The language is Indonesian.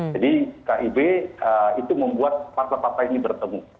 jadi kib itu membuat partai partai ini bertemu